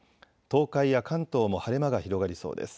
東海や関東も晴れ間が広がりそうです。